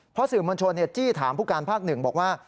เพราะสื่อมวลชนจี้ถามผู้การภาคหนึ่งบอกว่า